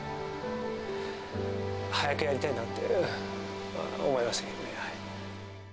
早くやりたいなって思いましたけどね。